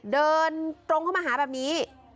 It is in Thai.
เดินตรงเข้ามาหาแบบนี้